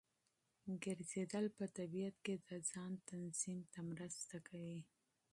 ګرځېدل په طبیعت کې د ځان تنظیم ته مرسته کوي.